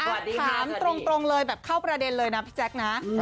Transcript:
ก็ถามตรงเลยแบบเข้าประเด็นเลยนะพี่แจ๊คนะ